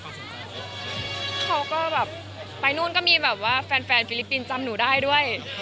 เขาก็แบบไปนู่นก็มีแบบว่าแฟนฟิลิปปินส์จำหนูได้ด้วย